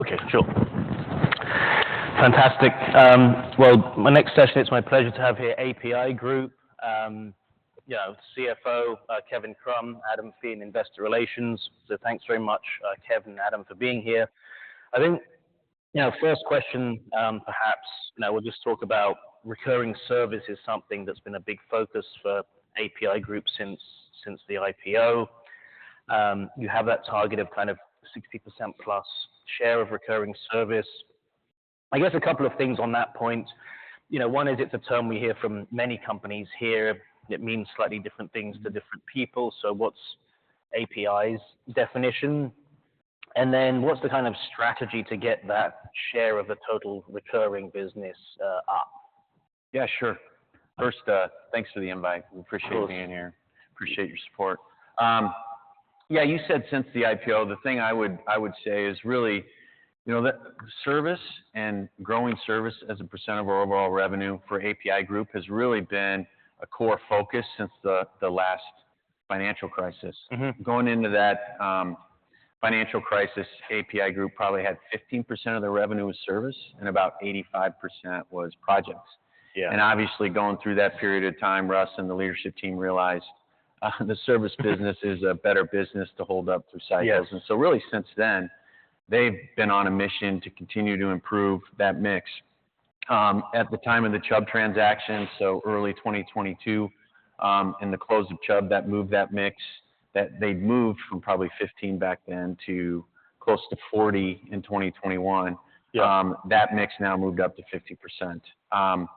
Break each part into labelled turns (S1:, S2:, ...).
S1: Okay, sure. Fantastic. Well, my next session, it's my pleasure to have here APi Group, you know, CFO, Kevin Krumm, Adam Fee in Investor Relations. So thanks very much, Kevin and Adam, for being here. I think, you know, first question, perhaps, now we'll just talk about recurring service is something that's been a big focus for APi Group since the IPO. You have that target of kind of 60%+ share of recurring service. I guess a couple of things on that point. You know, one is it's a term we hear from many companies here. It means slightly different things to different people. So what's APi's definition? And then what's the kind of strategy to get that share of the total recurring business up?
S2: Yeah, sure. First, thanks for the invite.
S1: Of course.
S2: We appreciate being here. Appreciate your support. Yeah, you said since the IPO, the thing I would say is really, you know, the Service and growing Service as a percent of our overall revenue for APi Group has really been a core focus since the last financial crisis. Going into that financial crisis, APi Group probably had 15% of the revenue was Service, and about 85% was projects.
S1: Yeah.
S2: Obviously, going through that period of time, Russ and the leadership team realized the Service business is a better business to hold up through cycles. And so really, since then, they've been on a mission to continue to improve that mix. At the time of the Chubb transaction, so early 2022, and the close of Chubb, that moved that mix, that they moved from probably 15 back then to close to 40 in 2021. That mix now moved up to 50%.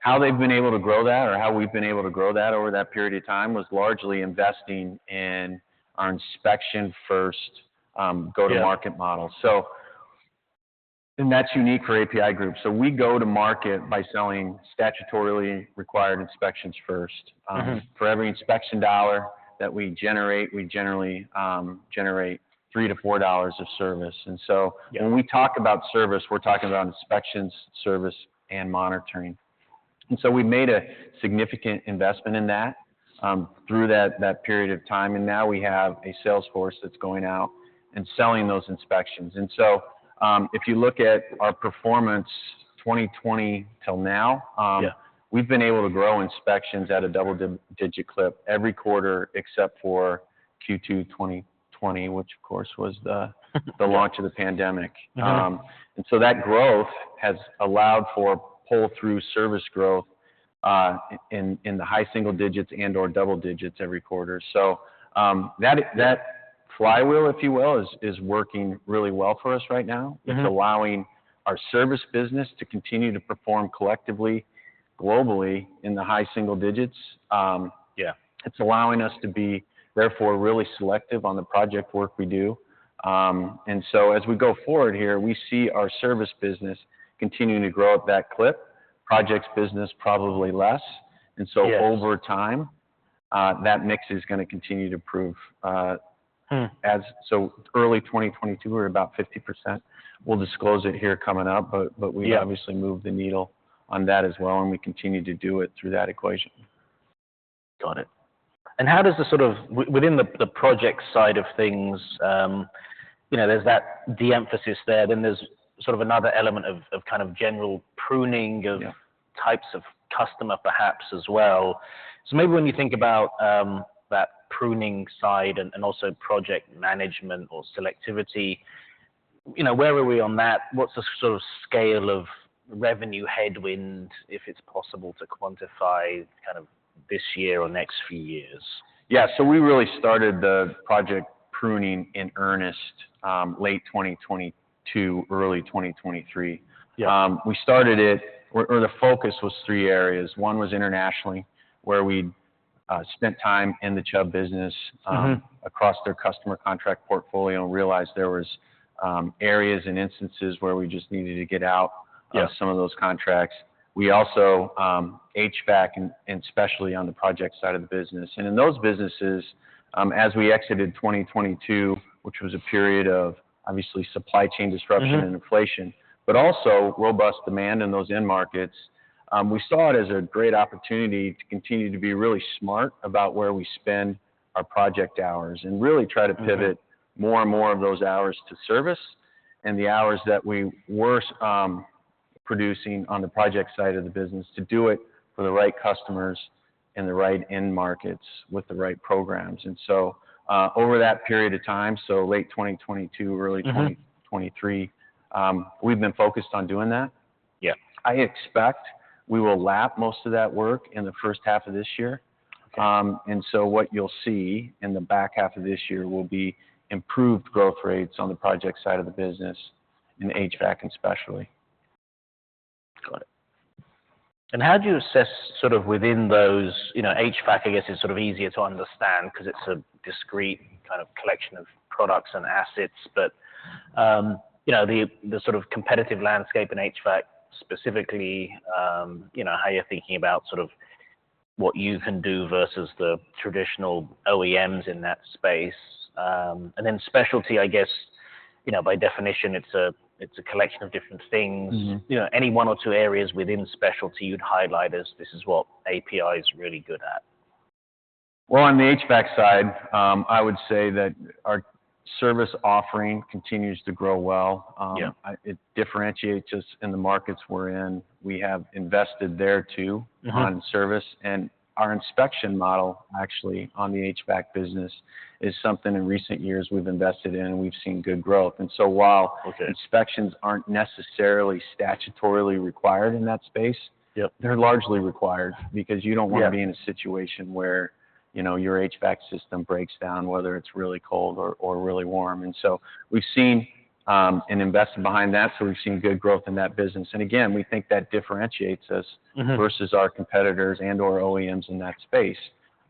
S2: How they've been able to grow that or how we've been able to grow that over that period of time, was largely investing in our inspection first, go-to-market model. And that's unique for APi Group. So we go to market by selling statutorily required inspections first. For every inspection dollar that we generate, we generally generate $3-$4 of service.
S1: Yeah.
S2: And so when we talk about Service, we're talking about inspections, service, and monitoring. And so we made a significant investment in that, through that period of time, and now we have a sales force that's going out and selling those inspections. And so, if you look at our performance, 2020 till now we've been able to grow inspections at a double-digit clip every quarter, except for Q2 2020, which of course was the launch of the pandemic. And so that growth has allowed for pull-through Service growth in the high single digits and/or double digits every quarter. So, that flywheel, if you will, is working really well for us right now. It's allowing our Service business to continue to perform collectively, globally in the high single digits.
S1: Yeah.
S2: It's allowing us to be, therefore, really selective on the project work we do. And so as we go forward here, we see our Service business continuing to grow at that clip, projects business, probably less. Over time, that mix is gonna continue to improve. So early 2022, we're about 50%. We'll disclose it here coming up, but we obviously moved the needle on that as well, and we continue to do it through that equation.
S1: Got it. And how does the sort of within the project side of things, you know, there's that de-emphasis there, then there's sort of another element of kind of general pruning of types of customer, perhaps, as well. So maybe when you think about, that pruning side and also project management or selectivity, you know, where are we on that? What's the sort of scale of revenue headwind, if it's possible to quantify kind of this year or next few years?
S2: Yeah. So we really started the project pruning in earnest, late 2022, early 2023.
S1: Yeah.
S2: The focus was three areas. One was internationally, where we spent time in the Chubb business across their customer contract portfolio and realized there was areas and instances where we just needed to get out some of those contracts. We also HVAC, and especially on the project side of the business. And in those businesses, as we exited 2022, which was a period of obviously supply chain disruption and inflation, but also robust demand in those end markets. We saw it as a great opportunity to continue to be really smart about where we spend our project hours, and really try to pivot more and more of those hours to service, and the hours that we were producing on the project side of the business to do it for the right customers in the right end markets with the right programs. And so, over that period of time, so late 2022, early 2023 we've been focused on doing that.
S1: Yeah.
S2: I expect we will lap most of that work in the first half of this year. And so what you'll see in the back half of this year will be improved growth rates on the project side of the business in HVAC, and specialty.
S1: Got it. And how do you assess, sort of within those. You know, HVAC, I guess, is sort of easier to understand because it's a discrete kind of collection of products and assets, but, you know, the sort of competitive landscape in HVAC, specifically, you know, how you're thinking about sort of what you can do versus the traditional OEMs in that space. And then specialty, I guess, you know, by definition, it's a collection of different things. You know, any one or two areas within specialty you'd highlight as this is what APi is really good at?
S2: Well, on the HVAC side, I would say that our Service offering continues to grow well. It differentiates us in the markets we're in. We have invested there too on Service, and our inspection model. Actually, on the HVAC business, is something in recent years we've invested in, and we've seen good growth. And so while inspections aren't necessarily statutorily required in that space, they are largely required because you don't want to be in a situation where, you know, your HVAC system breaks down. Whether it's really cold or really warm. And so we've seen an investment behind that, so we've seen good growth in that business. And again, we think that differentiates us versus our competitors and/or OEMs in that space.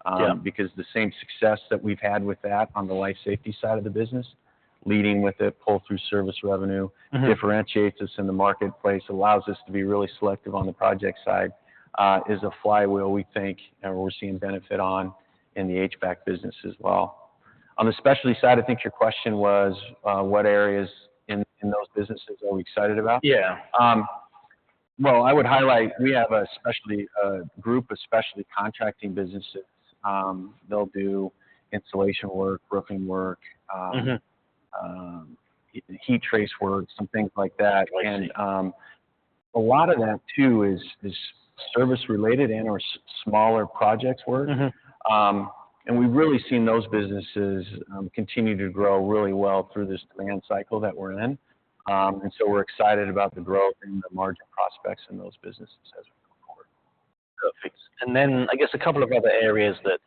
S1: Yeah.
S2: Because the same success that we've had with that on the life safety side of the business, leading with it, pull through Service revenue, differentiates us in the marketplace, allows us to be really selective on the project side, is a flywheel, we think, and we're seeing benefit on in the HVAC business as well. On the specialty side, I think your question was, what areas in those businesses are we excited about?
S1: Yeah.
S2: Well, I would highlight, we have a specialty, a group of specialty contracting businesses. They'll do installation work, roofing work, heat trace work, some things like that.
S1: I see.
S2: And, a lot of that, too, is Service-related and/or smaller projects work. We've really seen those businesses continue to grow really well through this demand cycle that we're in. So we're excited about the growth and the margin prospects in those businesses as we move forward.
S1: Perfect. And then, I guess a couple of other areas that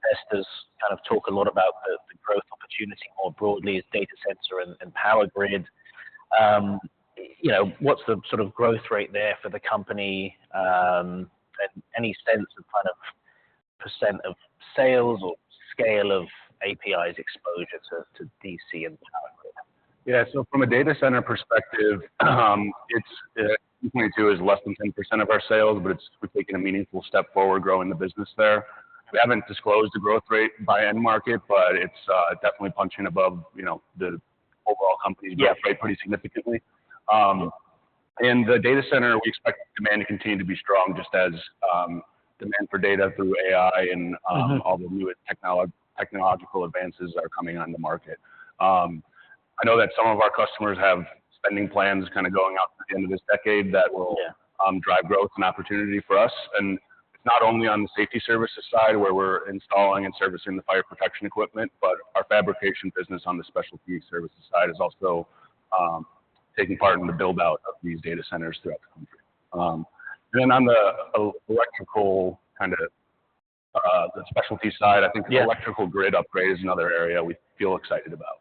S1: investors kind of talk a lot about the growth opportunity more broadly is data center and power grid. You know, what's the sort of growth rate there for the company? And any sense of kind of percent of sales or scale of APi's exposure to DC and power grid?
S3: Yeah, so from a data center perspective, it's 2022 is less than 10% of our sales, but it's-we've taken a meaningful step forward growing the business there. We haven't disclosed the growth rate by end market, but it's definitely punching above, you know, the overall company growth rate pretty significantly. In the data center, we expect demand to continue to be strong, just as, demand for data through AI and all the newest technological advances that are coming on the market. I know that some of our customers have spending plans kind of going out through the end of this decade that will drive growth and opportunity for us. And it's not only on the safety services side, where we're installing and servicing the fire protection equipment, but our fabrication business on the specialty services side is also taking part in the build-out of these data centers throughout the country. Then on the electrical, kind of, the specialty side, I think the electrical grid upgrade is another area we feel excited about.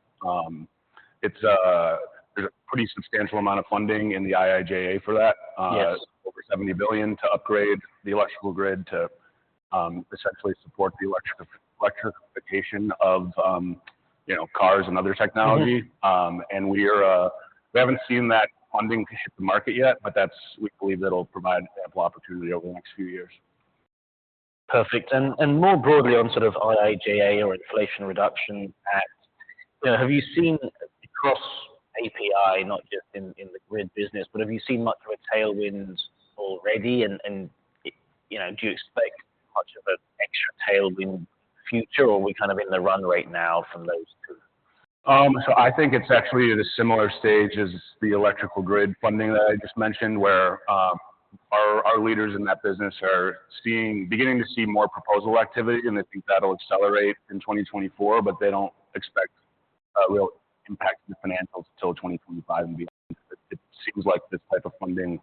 S3: It's, there's a pretty substantial amount of funding in the IIJA for that.
S1: Yes.
S3: Over $70 billion to upgrade the electrical grid to essentially support the electrification of, you know, cars and other technology.mAnd we haven't seen that funding hit the market yet, but that's, we believe it'll provide ample opportunity over the next few years.
S1: Perfect. And more broadly on sort of IIJA or Inflation Reduction Act, have you seen across APi, not just in the grid business, but have you seen much of a tailwind already? And, you know, do you expect much of an extra tailwind future, or are we kind of in the run rate now from those two?
S3: So I think it's actually at a similar stage as the electrical grid funding that I just mentioned, where our leaders in that business are beginning to see more proposal activity, and they think that'll accelerate in 2024, but they don't expect a real impact to the financials until 2025. It seems like this type of funding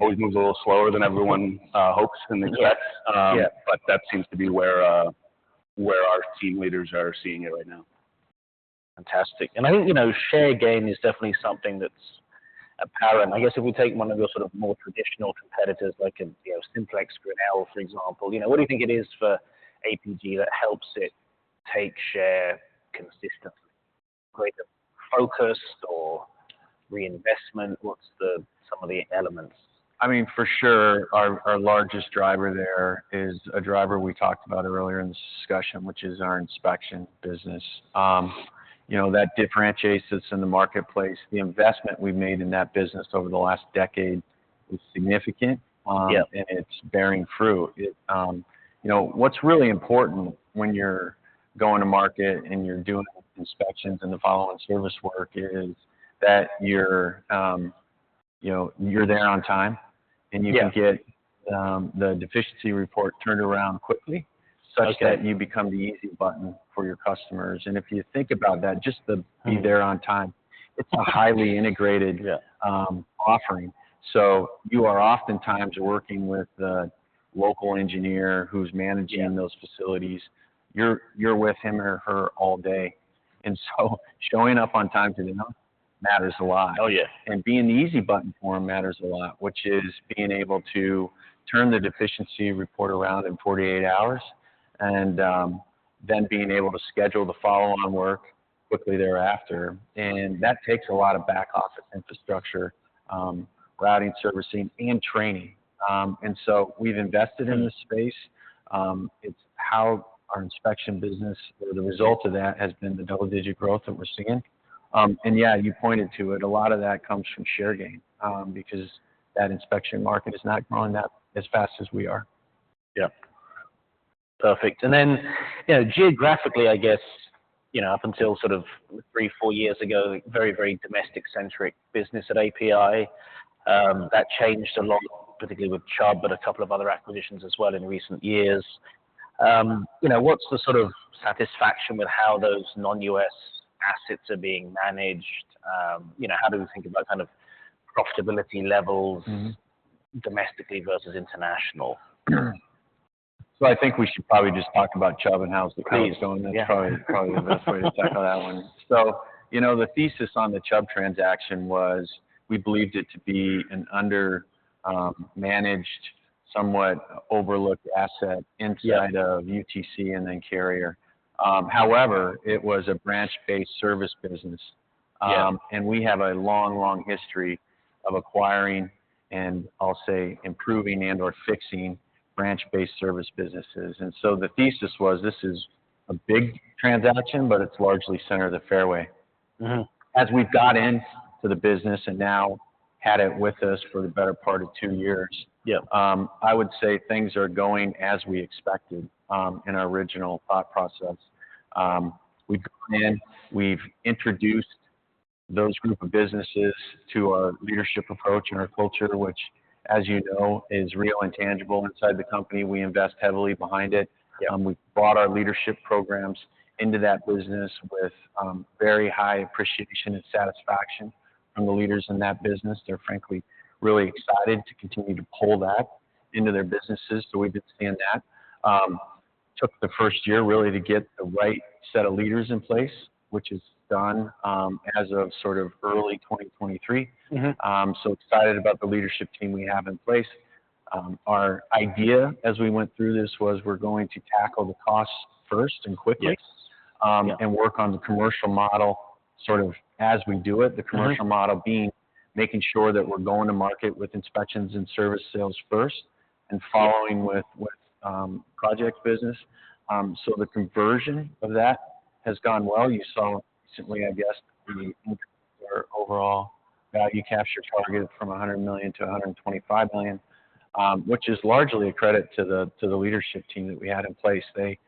S3: always moves a little slower than everyone hopes and expects. But that seems to be where our team leaders are seeing it right now.
S1: Fantastic. And I think, you know, share gain is definitely something that's apparent. I guess if we take one of your sort of more traditional competitors, like a, you know, SimplexGrinnell, for example, you know, what do you think it is for APG that helps it take share consistently? Like a focused or reinvestment, what's some of the elements?
S2: I mean, for sure, our largest driver there is a driver we talked about earlier in this discussion, which is our inspection business. You know, that differentiates us in the marketplace. The investment we've made in that business over the last decade is significant and it's bearing fruit. It, you know, what's really important when you're going to market and you're doing inspections and the following service work, is that you're, you know, you're there on time and you can get, the deficiency report turned around quickly such that you become the easy button for your customers. And if you think about that, just to be there on time, it's a highly integrated offering. So you are oftentimes working with the local engineer who's managing those facilities. You're with him or her all day, and so showing up on time for them matters a lot.
S1: Oh, yeah.
S2: And being the easy button for them matters a lot, which is being able to turn the deficiency report around in 48 hours and then being able to schedule the follow-on work quickly thereafter. And that takes a lot of back office infrastructure, routing, servicing, and training. And so we've invested in this space. It's how our inspection business or the result of that, has been the double-digit growth that we're seeing. And yeah, you pointed to it, a lot of that comes from Sharegain, because that inspection market is not growing that as fast as we are.
S1: Yeah. Perfect. And then, you know, geographically, I guess, you know, up until sort of three, four years ago, very, very domestic centric business at APi. That changed a lot, particularly with Chubb, but a couple of other acquisitions as well in recent years. You know, what's the sort of satisfaction with how those non-U.S. assets are being managed? You know, how do we think about kind of profitability levels domestically versus international?
S2: So, I think we should probably just talk about Chubb and how's the Chubb is going.
S1: Yeah.
S2: That's probably, probably the best way to tackle that one. So, you know, the thesis on the Chubb transaction was we believed it to be an undermanaged, somewhat overlooked asset inside of UTC and then Carrier. However, it was a branch-based Service business and we have a long long history of acquiring, and I'll say, improving and/or fixing branch-based Service businesses. And so the thesis was, this is a big transaction, but it's largely center of the fairway. As we've got into the business and now had it with us for the better part of two years, I would say things are going as we expected in our original thought process. We've gone in, we've introduced those group of businesses to our leadership approach and our culture, which, as you know, is real and tangible inside the company. We invest heavily behind it.
S1: Yeah.
S2: We've brought our leadership programs into that business with very high appreciation and satisfaction from the leaders in that business. They're frankly really excited to continue to pull that into their businesses, so we've been seeing that. Took the first year, really, to get the right set of leaders in place, which is done, as of sort of early 2023. So excited about the leadership team we have in place. Our idea as we went through this was we're going to tackle the costs first and quickly work on the commercial model, sort of, as we do it. The commercial model being, making sure that we're going to market with inspections and service sales first, and following with project business. So the conversion of that has gone well. You saw recently, I guess, the increase our overall value capture target from $100 million to $125 million, which is largely a credit to the leadership team that we had in place. They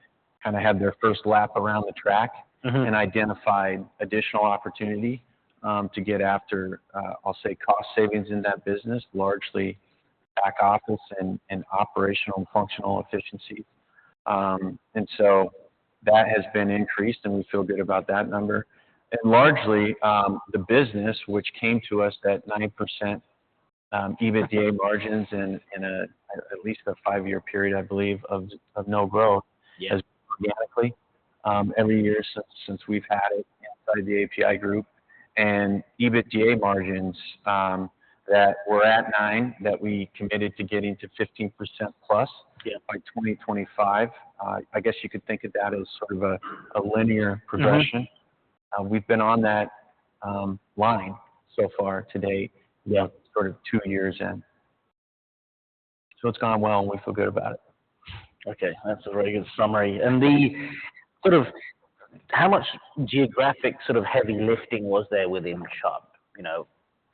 S2: kinda had their first lap around the track and identified additional opportunity to get after, I'll say, cost savings in that business, largely back office and operational and functional efficiency. And so that has been increased, and we feel good about that number. And largely, the business which came to us at 9% EBITDA margins in at least a five-year period, I believe of no growth has dramatically, every year since we've had it inside the APi Group. And EBITDA margins, that were at 9% that we committed to getting to 15%+ by 2025. I guess you could think of that as sort of a, a linear progression.
S1: Yeah
S2: We've been on that, line so far to date, sort of two years in. So it's gone well, and we feel good about it.
S1: Okay, that's a very good summary. And the sort of, how much geographic, sort of, heavy lifting was there within Chubb? You know,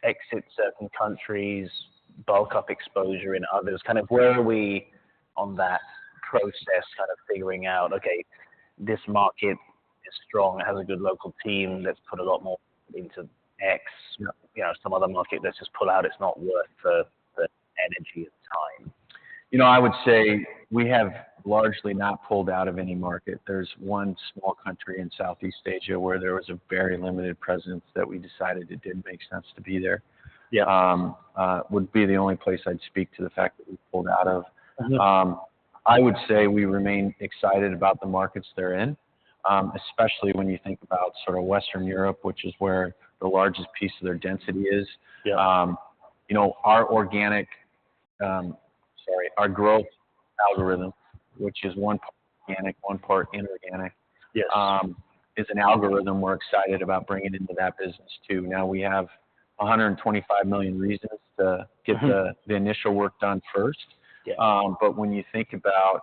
S1: exit certain countries, bulk up exposure in others. Kind of where are we on that process? Kind of figuring out, okay, this market is strong, it has a good local team. Let's put a lot more into X. You know, some other market, let's just pull out, it's not worth the energy and time.
S2: You know, I would say we have largely not pulled out of any market. There's one small country in Southeast Asia where there was a very limited presence that we decided it didn't make sense to be there.
S1: Yeah.
S2: Would be the only place I'd speak to the fact that we pulled out of. I would say we remain excited about the markets they're in, especially when you think about sort of Western Europe, which is where the largest piece of their density is. You know, our growth algorithm, which is one part organic, one part inorganic is an algorithm we're excited about bringing into that business too. Now, we have $125 million reasons to get the initial work done first.
S1: Yeah.
S2: But when you think about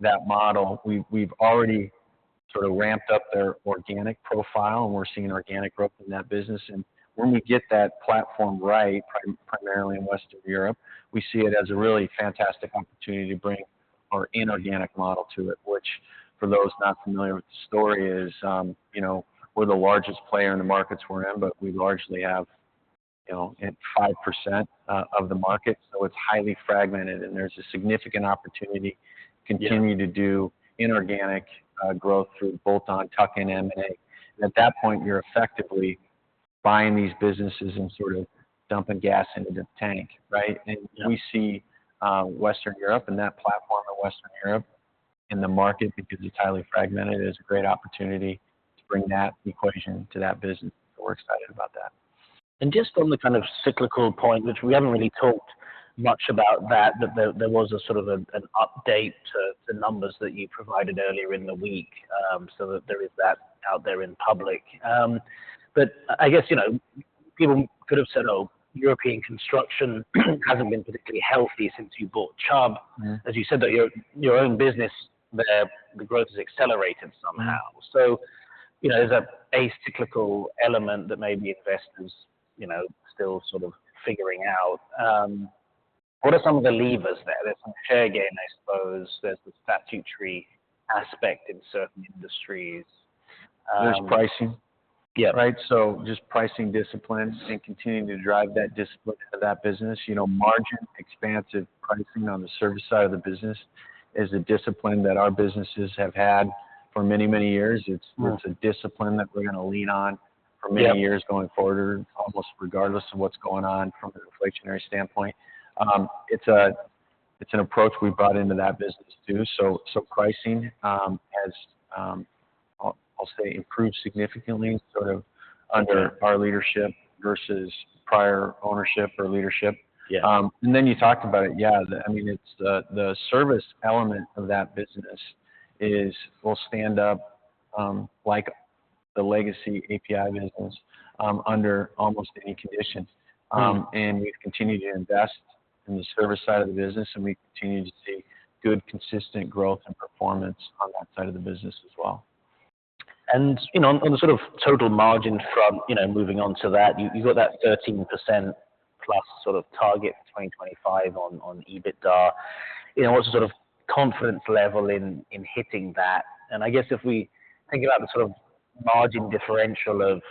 S2: that model, we've already sort of ramped up their organic profile, and we're seeing organic growth in that business. And when we get that platform right, primarily in Western Europe, we see it as a really fantastic opportunity to bring our inorganic model to it. Which for those not familiar with the story, is, you know, we're the largest player in the markets we're in, but we largely have, you know, at 5% of the market, so it's highly fragmented. And there's a significant opportunity to continue to do inorganic growth through bolt-on tuck-in M&A. And at that point, you're effectively buying these businesses and sort of dumping gas into the tank, right?
S1: Yeah.
S2: We see Western Europe and that platform in Western Europe in the market, because it's highly fragmented, it is a great opportunity to bring that equation to that business, so we're excited about that.
S1: And just on the kind of cyclical point, which we haven't really talked much about, that there was a sort of an update to the numbers that you provided earlier in the week, so that there is that out there in public. But I guess, you know, people could have said, oh, European construction hasn't been particularly healthy since you bought Chubb. As you said, that your own business there, the growth has accelerated somehow. So, you know, there's a cyclical element that maybe investors, you know, still sort of figuring out. What are some of the levers there? There's some share gain, I suppose. There's the statutory aspect in certain industries.
S2: There's pricing.
S1: Yeah.
S2: Right? So just pricing discipline and continuing to drive that discipline of that business. You know, margin expansive pricing on the Service side of the business is a discipline that our businesses have had for many, many years. It's a discipline that we're gonna lean on for many years going forward, almost regardless of what's going on from an inflationary standpoint. It's an approach we've brought into that business, too. So pricing has, I'll say improved significantly, sort of under our leadership versus prior ownership or leadership.
S1: Yeah.
S2: And then you talked about it. Yeah, I mean, it's the service element of that business is will stand up, like the legacy APi business, under almost any condition.nWe've continued to invest in the Service side of the business, and we continue to see good, consistent growth and performance on that side of the business as well.
S1: You know, on the sort of total margin from, you know, moving on to that, you've got that 13%+ sort of target for 2025 on EBITDA. You know, what's the sort of confidence level in hitting that? And I guess if we think about the sort of margin differential of,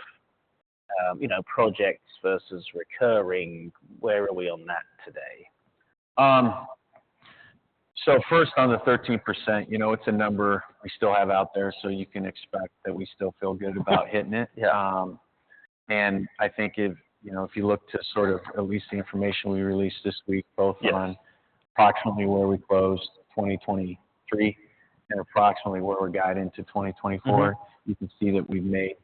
S1: you know, projects versus recurring, where are we on that today?
S2: So first on the 13%, you know, it's a number we still have out there, so you can expect that we still feel good about hitting it.
S1: Yeah.
S2: I think if, you know, you look to sort of at least the information we released this week, both on approximately where we closed 2023 and approximately where we're guiding to 2024. You can see that we've made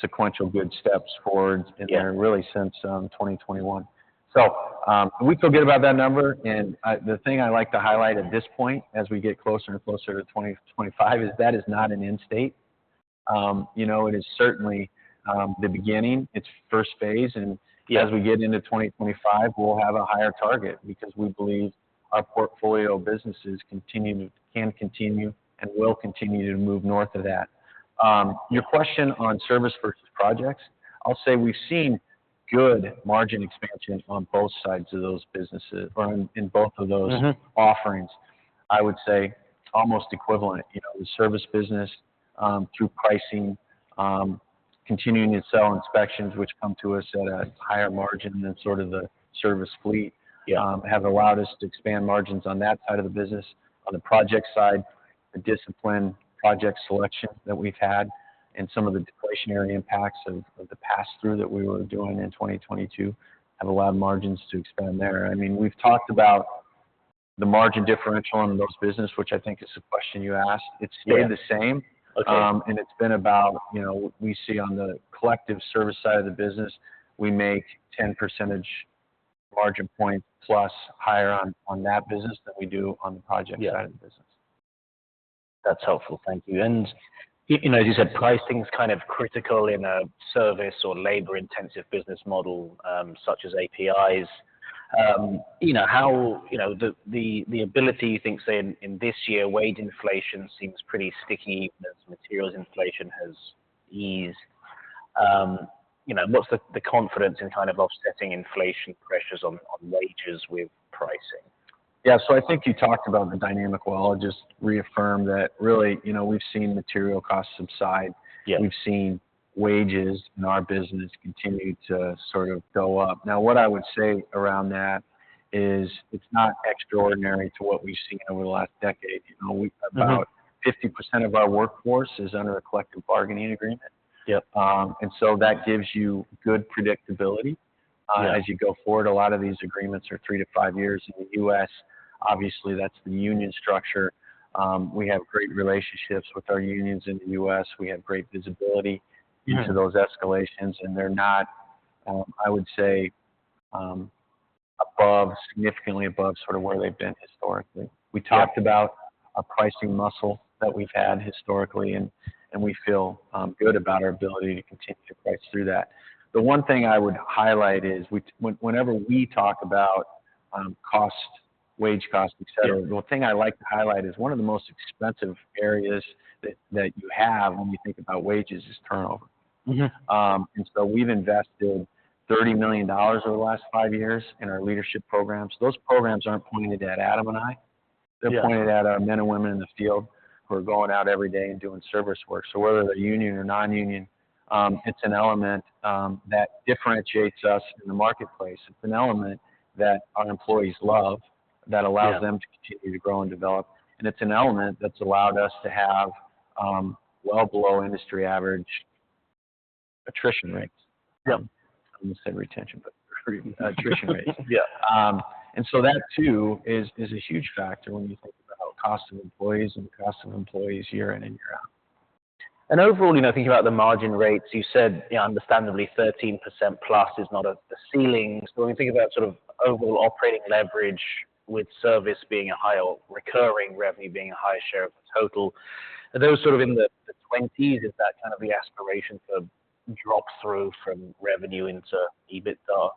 S2: sequential good steps forward in there really since 2021. So, we feel good about that number, and, the thing I like to highlight at this point, as we get closer and closer to 2025, is that is not an end state. You know, it is certainly, the beginning, its first phase, and as we get into 2025, we'll have a higher target because we believe our portfolio of businesses can continue and will continue to move north of that. Your question on Service versus projects, I'll say we've seen good margin expansion on both sides of those businesses or in both of those offerings. I would say almost equivalent. You know, the Service business, through pricing, continuing to sell inspections, which come to us at a higher margin than sort of the service fleet have allowed us to expand margins on that side of the business. On the project side, the discipline project selection that we've had and some of the deflationary impacts of the pass-through that we were doing in 2022 have allowed margins to expand there. I mean, we've talked about the margin differential on this business which I think is the question you asked. It's stayed the same.
S1: Okay.
S2: And it's been about, you know, we see on the collective Service side of the business, we make 10 percentage margin points plus higher on that business than we do on the project side of the business.
S1: That's helpful. Thank you. And, you know, as you said, pricing is kind of critical in a service or labor intensive business model, such as APi. You know, the ability, you think, say, in this year, wage inflation seems pretty sticky as materials inflation has eased. You know, what's the confidence in kind of offsetting inflation pressures on wages with pricing?
S2: Yeah. So I think you talked about the dynamic well. I'll just reaffirm that really, you know, we've seen material costs subside. We've seen wages in our business continue to sort of go up. Now, what I would say around that is, it's not extraordinary to what we've seen over the last decade. You know about 50% of our workforce is under a Collective Bargaining Agreement and so that gives you good predictability as you go forward. A lot of these agreements are three to five years. In the U.S., obviously, that's the union structure. We have great relationships with our unions in the U.S. We have great visibility into those escalations, and they're not, I would say, above, significantly above, sort of where they've been historically.
S1: Yeah.
S2: We talked about a pricing muscle that we've had historically, and we feel good about our ability to continue to price through that. The one thing I would highlight is, whenever we talk about cost, wage cost, et cetera, the thing I like to highlight is one of the most expensive areas that you have when you think about wages is turnover. We've invested $30 million over the last five years in our leadership programs. Those programs aren't pointed at Adam and I. They're pointed at our men and women in the field who are going out every day and doing service work. So whether they're union or non-union, it's an element that differentiates us in the marketplace. It's an element that our employees love, that allows them to continue to grow and develop, and it's an element that's allowed us to have well below industry average attrition rates.
S1: Yep.
S2: I'm gonna say retention, but attrition rates.
S1: Yeah.
S2: And so that, too, is a huge factor when you think about cost of employees and cost of employees year in and year out.
S1: Overall, you know, thinking about the margin rates, you said, you know, understandably, 13%+ is not a, a ceiling. So when we think about sort of overall operating leverage with Service being a higher, recurring revenue being a higher share of the total, are those sort of in the 20s, is that kind of the aspiration for drop through from revenue into EBITDA?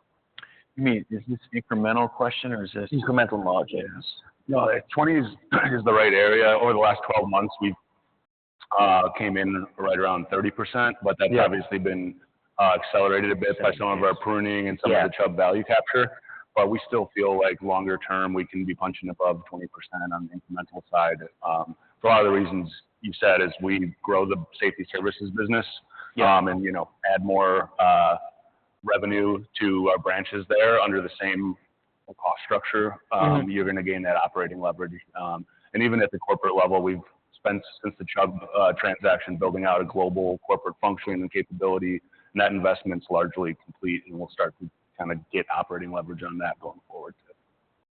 S2: You mean, is this incremental question, or is this?
S1: Incremental margin, yes.
S3: No, 20%s is the right area. Over the last 12 months we've came in right around 30%.
S1: Yeah.
S3: But that's obviously been accelerated a bit by some of our pruning and some of the Chubb value capture. But we still feel like longer term, we can be punching above 20% on the incremental side. For all the reasons you said, as we grow the safety Service business and you know, add more revenue to our branches there under the same cost structure you’re gonna gain that operating leverage. Even at the corporate level, we've spent since the Chubb transaction building out a global corporate functioning and capability, and that investment's largely complete, and we'll start to kinda get operating leverage on that going forward.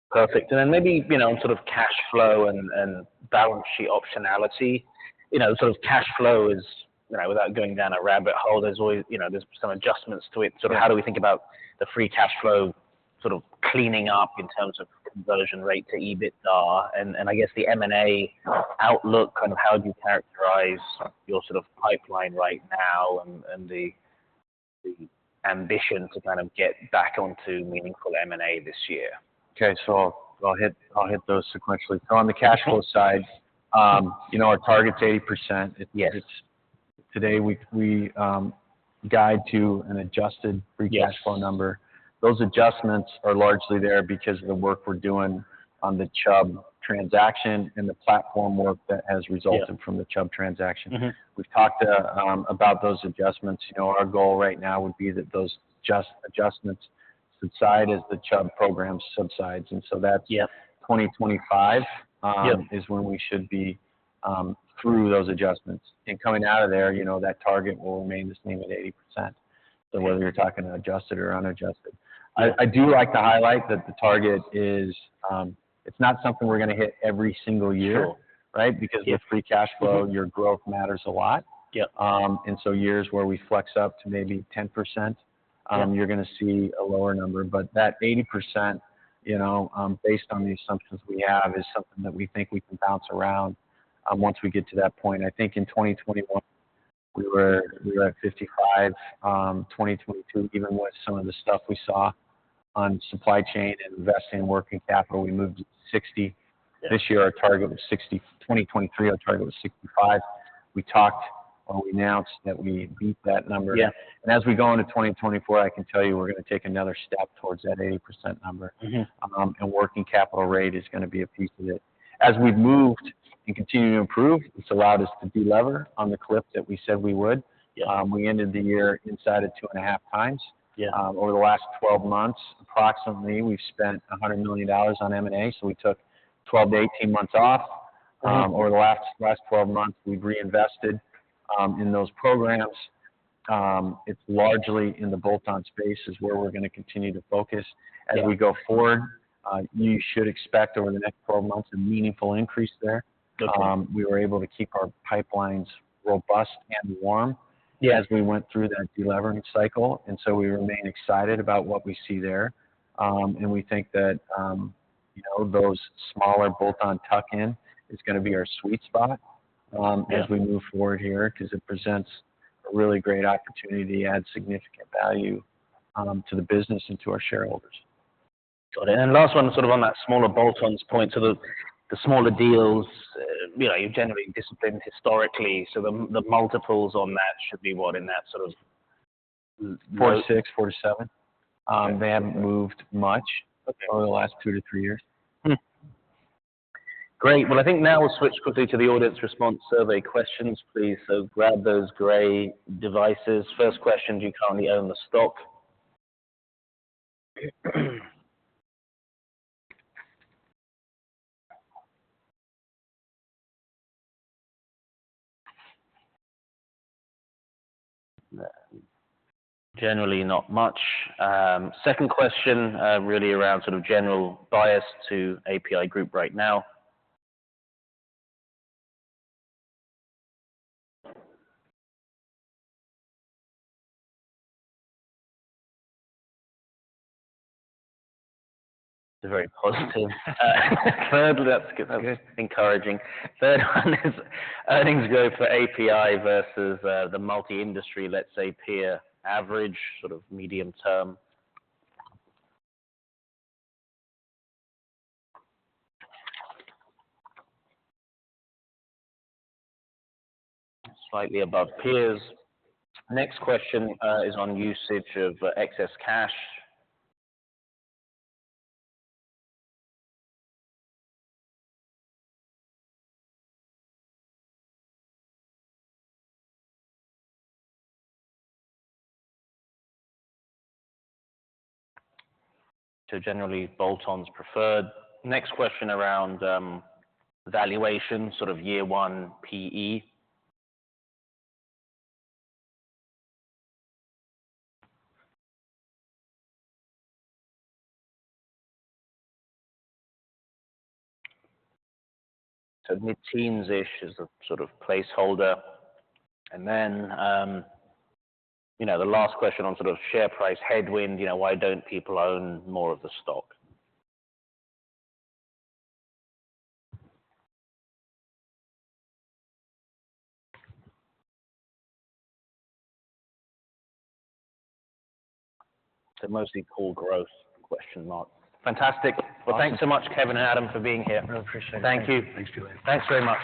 S1: Perfect. And then maybe, you know, sort of cash flow and balance sheet optionality. You know, sort of cash flow is, you know, without going down a rabbit hole, there's always. You know, there's some adjustments to it.
S2: Yeah.
S1: Sort of, how do we think about the free cash flow, sort of, cleaning up in terms of conversion rate to EBITDA? And, and I guess the M&A outlook, and how do you characterize your sort of pipeline right now and, and the, the ambition to kind of get back onto meaningful M&A this year?
S2: Okay. So I'll hit, I'll hit those sequentially. So on the cash flow side, you know, our target's 80%. It's today, we guide to an adjusted free cash flow number.
S1: Yes.
S2: Those adjustments are largely there because of the work we're doing on the Chubb transaction and the platform work that has resulted from the Chubb transaction. We've talked about those adjustments. You know, our goal right now would be that those adjustments subside as the Chubb program subsides, and so that's 2025 is when we should be through those adjustments. And coming out of there, you know, that target will remain the same at 80%. So whether you're talking adjusted or unadjusted, I do like to highlight that the target is not something we're gonna hit every single year.
S1: Sure.
S2: Right? Because with free cash flow, your growth matters a lot.
S1: Yeah.
S2: And so years where we flex up to maybe 10%?
S1: Yeah
S2: You're gonna see a lower number. But that 80%, you know, based on the assumptions we have, is something that we think we can bounce around, once we get to that point. I think in 2021, we were, we were at 55%. 2022, even with some of the stuff we saw on supply chain and investing in working capital, we moved to 60%. This year, our target was 60. 2023, our target was 65. We talked when we announced that we beat that number.
S1: Yeah.
S2: As we go into 2024, I can tell you we're gonna take another step towards that 80% number. Working capital rate is gonna be a piece of it. As we've moved and continue to improve, it's allowed us to delever on the clip that we said we would. We ended the year inside of 2.5x. Over the last 12 months, approximately, we've spent $100 million on M&A, so we took 12-18 months off. Over the last 12 months, we've reinvested in those programs. It's largely in the bolt-on space, is where we're gonna continue to focus. As we go forward, you should expect over the next 12 months, a meaningful increase there.
S1: Good.
S2: We were able to keep our pipelines robust and warm as we went through that delevering cycle, and so we remain excited about what we see there. And we think that, you know, those smaller bolt-on tuck-in is gonna be our sweet spot as we move forward here, 'cause it presents a really great opportunity to add significant value to the business and to our shareholders.
S1: Got it. And last one, sort of on that smaller bolt-ons point. So the smaller deals, you know, you're generally disciplined historically, so the multiples on that should be what, in that sort of?
S2: Four to six, four to seven. They haven't moved much over the last two to three years.
S1: Hmm. Great. Well, I think now we'll switch quickly to the audience response survey questions, please. So grab those gray devices. First question: do you currently own the stock? Generally, not much. Second question, really around sort of general bias to APi Group right now. Very positive. Thirdly, that's encouraging. Third one is, earnings growth for APi versus, the multi-industry, let's say, peer average, sort of medium term. Slightly above peers. Next question, is on usage of excess cash. So generally, bolt-on's preferred. Next question around, valuation, sort of year one PE. So mid-teens-ish is the sort of placeholder. And then, you know, the last question on sort of share price headwind, you know, why don't people own more of the stock? So mostly poor growth, question mark. Fantastic.
S2: Awesome.
S1: Well, thanks so much, Kevin and Adam, for being here.
S2: Really appreciate it.
S1: Thank you.
S2: Thanks, Julian.
S1: Thanks very much.